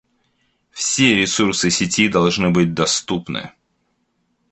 Все ресурсы сети должны быть доступны